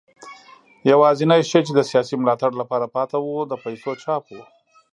یوازینی شی چې د سیاسي ملاتړ لپاره پاتې و د پیسو چاپ و.